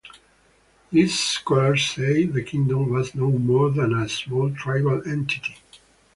These scholars say the kingdom was no more than a small tribal entity.